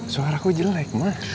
suara aku jelek mas